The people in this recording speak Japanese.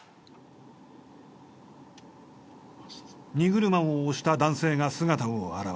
荷車を押した男性が姿を現した。